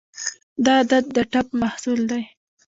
دا عادت د ټپ محصول دی.